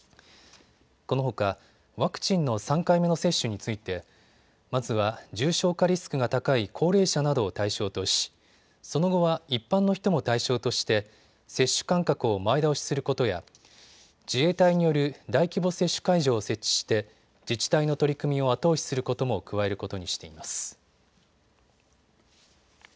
このほかワクチンの３回目の接種についてまずは重症化リスクが高い高齢者などを対象としその後は一般の人も対象として接種間隔を前倒しすることや自衛隊による大規模接種会場を設置して自治体の取り組みを後押しすることも加えることにしています。